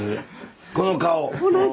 この顔。